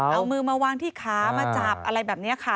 เอามือมาวางที่ขามาจับอะไรแบบนี้ค่ะ